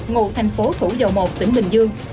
ngụ thành phố thủ dầu một tỉnh bình dương